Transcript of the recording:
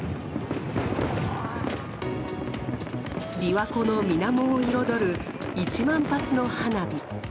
琵琶湖の水面を彩る１万発の花火。